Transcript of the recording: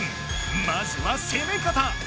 まずは攻め方。